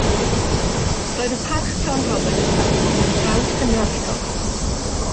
Roedd y Parch John Roberts, Llangwm, yn frawd hynaf iddo.